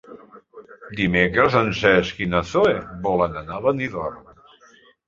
Dimecres en Cesc i na Zoè volen anar a Benidorm.